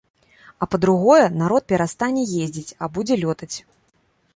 А па-другое, народ перастане ездзіць, а будзе лётаць.